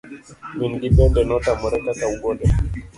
Min gi bende notamore kaka wuode.